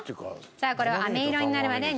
さあこれを飴色になるまで煮詰めていきます。